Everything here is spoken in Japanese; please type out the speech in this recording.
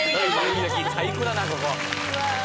最高だなここ！